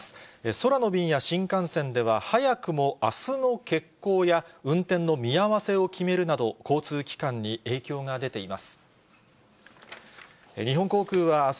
空の便や新幹線では、早くもあすの欠航や運転の見合わせを決めるなど、交通機関に影響が出ています。